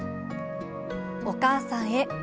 お母さんへ。